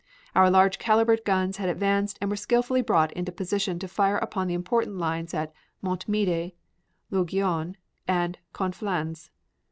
Our large caliber guns had advanced and were skillfully brought into position to fire upon the important lines at Montmedy, Longuyon, and Conflans.